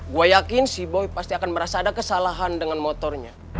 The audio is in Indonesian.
gue yakin si boy pasti akan merasa ada kesalahan dengan motornya